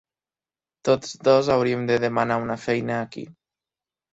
Tots dos hauríem de demanar una feina aquí.